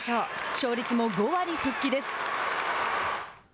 勝率も５割復帰です。